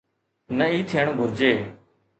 نه ئي ٿيڻ گهرجي.